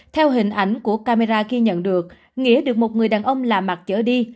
theo hình ảnh của camera khi nhận được nghĩa được một người đàn ông làm mặt chở đi